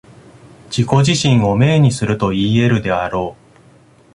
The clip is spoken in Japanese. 自己自身を明にするといい得るであろう。